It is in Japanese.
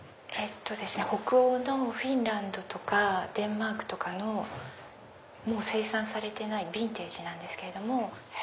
北欧のフィンランドとかデンマークとかのもう生産されてないヴィンテージなんですけれども。